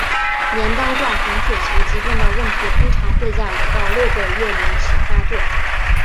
镰刀状红血球疾病的问题通常会在五到六个月龄时发作。